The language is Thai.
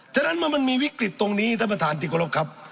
ฉะนั้นมันมันมีวิกฤตตรงนี้ท่านประธานธิกรพครับ